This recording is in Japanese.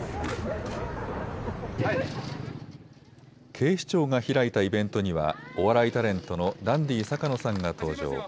警視庁が開いたイベントにはお笑いタレントのダンディ坂野さんが登場。